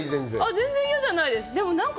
全然嫌じゃないです。